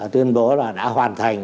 tuyên bố là đã hoàn thành